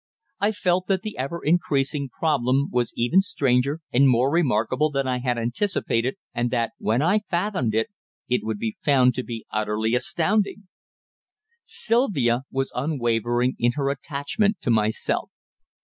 I felt that the ever increasing problem was even stranger and more remarkable than I had anticipated, and that when I fathomed it, it would be found to be utterly astounding! Sylvia was unwavering in her attachment to myself.